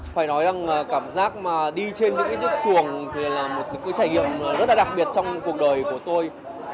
phải nói rằng cảm giác mà đi trên những cái chiếc xuồng thì là một trải nghiệm rất là đặc biệt trong cuộc đời của tôi